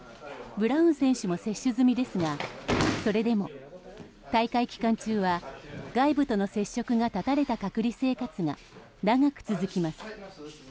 ブラウン選手も接種済みですがそれでも、大会期間中は外部との接触が断たれた隔離生活が長く続きます。